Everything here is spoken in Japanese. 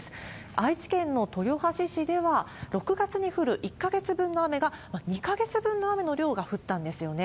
愛知県の豊橋市では、６月に降る１か月分の雨が、２か月分の雨の量が降ったんですよね。